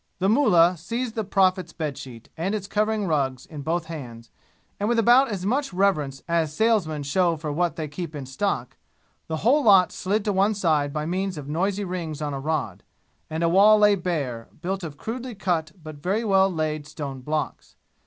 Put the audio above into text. The mullah seized the Prophet's bed sheet and its covering rugs in both hands, with about as much reverence as salesmen show for what they keep in stock. The whole lot slid to one side by means of noisy rings on a rod, and a wall lay bare, built of crudely cut but very well laid stone blocks.